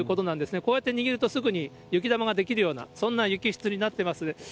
こうやって握ると、すぐに雪玉ができるような、そんな雪質になってます。